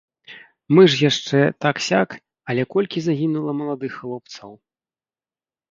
Мы ж яшчэ так-сяк, але колькі загінула маладых хлопцаў!